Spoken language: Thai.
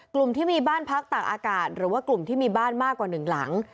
กลุ่มที่มีบ้านพักตากอากาศหรือว่ากลุ่มที่มีบ้านมากกว่าหนึ่งหลัง